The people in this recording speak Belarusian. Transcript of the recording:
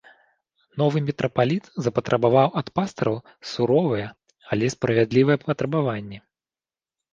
Новы мітрапаліт запатрабаваў ад пастыраў суровыя, але справядлівыя патрабаванні.